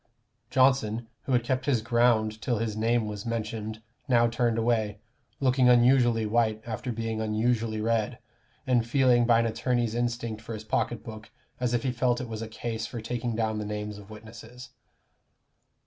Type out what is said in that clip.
Johnson, who had kept his ground till his name was mentioned, now turned away, looking unusually white after being unusually red, and feeling by an attorney's instinct for his pocket book, as if he felt it was a case for taking down the names of witnesses.